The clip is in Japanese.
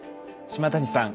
島谷さん